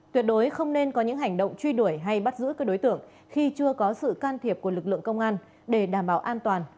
tuyệt đối không nên có những hành động truy đuổi hay bắt giữ các đối tượng khi chưa có sự can thiệp của lực lượng công an để đảm bảo an toàn